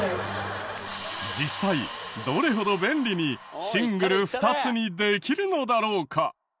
実際どれほど便利にシングル２つにできるのだろうか？